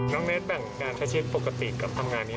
น้องเนธแบ่งงานทะเชฟปกติกับทำงานนี้